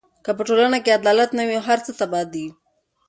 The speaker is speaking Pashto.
که په ټولنه کې عدالت نه وي، نو هر څه تباه دي.